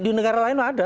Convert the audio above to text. di negara lain ada